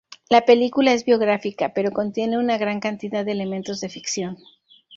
La película es biográfica, pero contiene una gran cantidad de elementos de ficción.